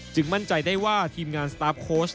มั่นใจได้ว่าทีมงานสตาร์ฟโค้ช